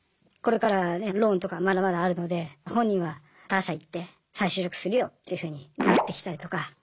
これからねローンとかまだまだあるので本人は他社行って再就職するよっていうふうになってきたりとか。